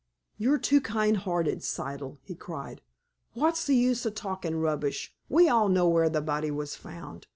"You're too kind'earted, Siddle," he cried. "Wot's the use of talkin' rubbish. We all know where the body was found.